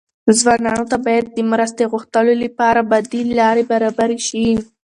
ځوانانو ته باید د مرستې غوښتلو لپاره بدیل لارې برابرې شي.